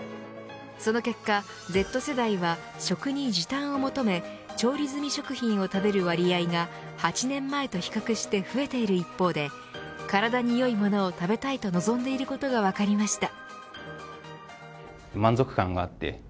その結果、Ｚ世代は食に時短を求め調理済み食品を食べる割合が８年前と比較して増えている一方で体に良いものを食べたいと望んでいることが分かりました。